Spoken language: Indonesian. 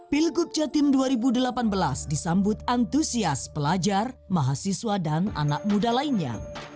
pilgub jatim dua ribu delapan belas disambut antusias pelajar mahasiswa dan anak muda lainnya